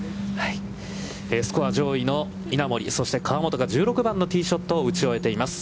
スコア上位の稲森、そして河本が１６番のティーショットを打ち終えています。